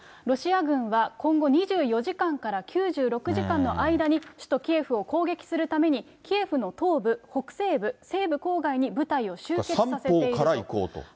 ロシア軍は今後２４時間から９６時間の間に首都キエフを攻撃するために、キエフの東部、北西部、西部郊外に部隊を集結させていると。